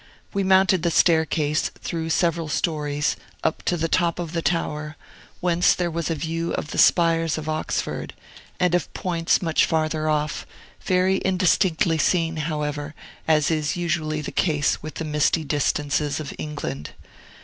We mounted the staircase, through several stories, up to the top of the tower, whence there was a view of the spires of Oxford, and of points much farther off, very indistinctly seen, however, as is usually the case with the misty distances of England.